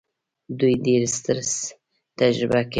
دوی ډېر سټرس تجربه کوي.